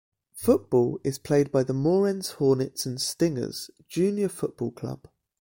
Football is played by the Moorends Hornets and Stingers Junior Football Club.